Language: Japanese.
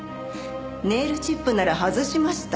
ネイルチップなら外しました。